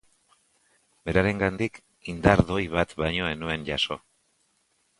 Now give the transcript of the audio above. Berarengandik indar doi bat baino ez nuen jaso.